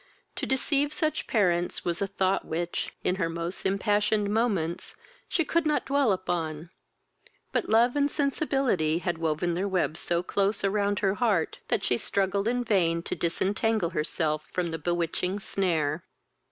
To deceive such parents was a thought which, in her most impassioned moments, she could not dwell upon, but love and sensibility had woven their webs so close around her heart, that she struggled in vain to disentangle herself from the bewitching snare.